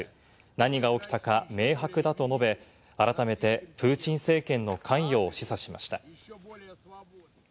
何が起きたか明白だと述べ、改めてプーチン政権の関与を示唆しました。